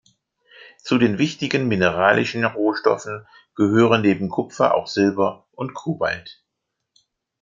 Zu den wichtigen mineralischen Rohstoffen gehören neben Kupfer auch Silber und Cobalt.